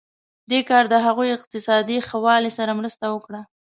دې کار د هغوی اقتصادي ښه والی سره مرسته وکړه.